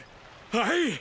はい！